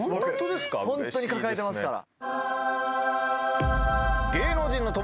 ホントに抱えてますから。